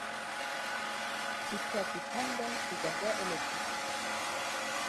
Ситкә китһәң дә ситәнгә элеп кит.